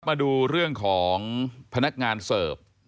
มาดูเรื่องของพนักงานเสิร์ฟ